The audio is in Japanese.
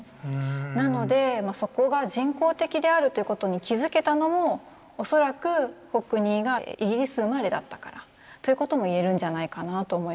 なのでそこが人工的であるということに気付けたのも恐らくホックニーがイギリス生まれだったからということも言えるんじゃないかなと思います。